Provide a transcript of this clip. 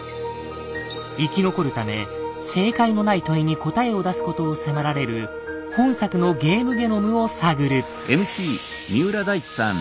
生き残るため正解のない問いに答えを出すことを迫られる本作の「ゲームゲノム」を探る。